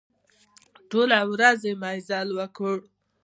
ټوله ورځ يې مزل وکړ.